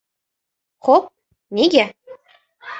— Xo‘p. Nega?